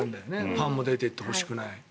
ファンも出ていってほしくない。